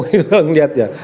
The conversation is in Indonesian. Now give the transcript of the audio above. kalau melihat ya